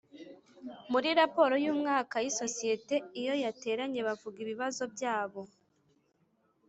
muri raporo y umwaka y isosiyete Iyo yateranye bavuga ibibazo byabo